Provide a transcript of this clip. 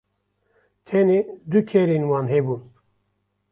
tenê du kerên wan hebûn